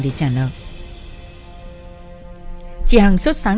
chị hằng xuất sáng